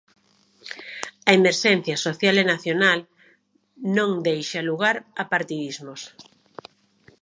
A emerxencia social e nacional no deixa lugar a partidismos.